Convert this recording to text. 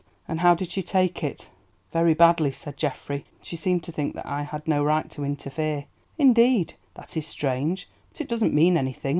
"And how did she take it?" "Very badly," said Geoffrey; "she seemed to think that I had no right to interfere." "Indeed, that is strange. But it doesn't mean anything.